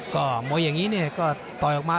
ก็มวยอย่างนี้เนี่ยก็ต่อยออกมา